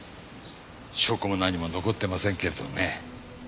証拠も何も残ってませんけれどね。